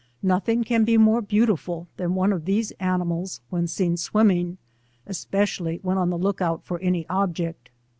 Nothing can be more beaatiful than one of these animals when seen swimming, especially when on the look out for any object.